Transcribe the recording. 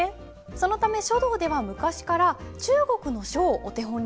そのため書道では昔から中国の書をお手本にしているんです。